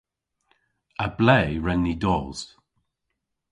A ble wren ni dos?